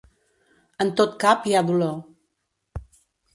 En tot cap hi ha dolor.